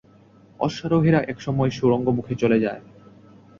অশ্বারোহীরা এক সময় সুড়ঙ্গ মুখে চলে যায়।